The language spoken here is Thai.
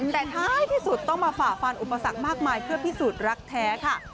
แต่ท้ายที่สุดต้องมาฝ่าฟันอุปสรรคมากมายเพื่อพิสูจน์รักแท้ค่ะ